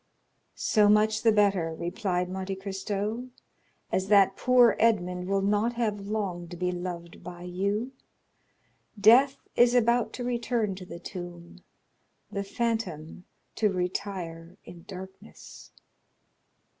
"So much the better," replied Monte Cristo; "as that poor Edmond will not have long to be loved by you. Death is about to return to the tomb, the phantom to retire in darkness."